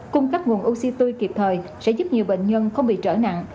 cung cấp nguồn oxy tươi kịp thời sẽ giúp nhiều bệnh nhân không bị trở nặng